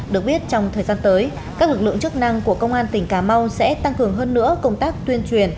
được biết trong thời gian tới các lực lượng chức năng của công an tỉnh cà mau sẽ tăng cường hơn nữa công tác tuyên truyền